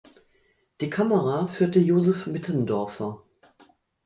Die Kamera führte Josef Mittendorfer.